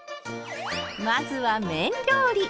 まずは麺料理。